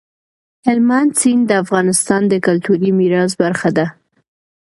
هلمند سیند د افغانستان د کلتوري میراث برخه ده.